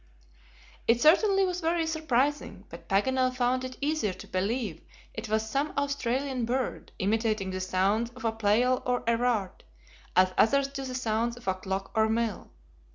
It certainly was very surprising, but Paganel found it easier to believe it was some Australian bird imitating the sounds of a Pleyel or Erard, as others do the sounds of a clock or mill.